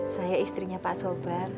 saya istrinya pak sobar